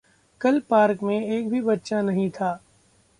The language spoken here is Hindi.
कल पार्क में एक भी बच्चा नहीं था।